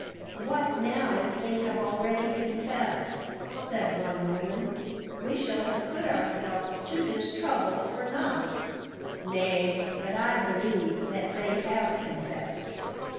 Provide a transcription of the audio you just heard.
"What now if they have already confessed?" said one woman. "We shall have put ourselves to this trouble for naught. Nay, but I believe that they have confessed."